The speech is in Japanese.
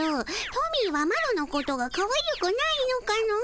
トミーはマロのことがかわゆくないのかの？